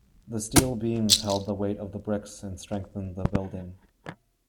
The steel beams held the weight of the bricks and strengthened the building.